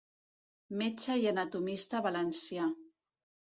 Metge i anatomista valencià.